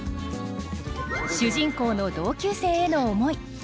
主人公の同級生への思い。